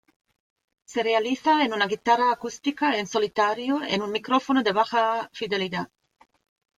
Se realiza en una guitarra acústica en solitario en un micrófono de baja fidelidad.